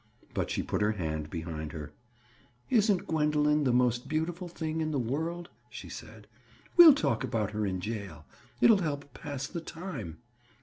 But she put her hand behind her. "Isn't Gwendoline the most beautiful thing in the world?" she said. "We'll talk about her in jail. It'll help pass the time."